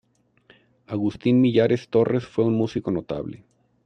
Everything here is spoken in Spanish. Agustín Millares Torres fue un músico notable.